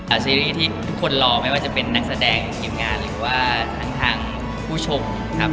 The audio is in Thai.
ซีรีส์ที่ทุกคนรอไม่ว่าจะเป็นนักแสดงทีมงานหรือว่าทั้งทางผู้ชมครับ